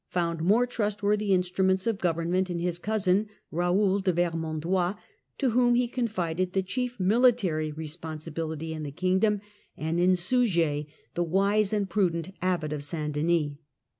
found more trustworthy instruments of government in his cousin, Raoul de Vermandois, to whom he confided the chief military responsibility in the kingdom, and in Suger, the wise and prudent Abbot of St Denis.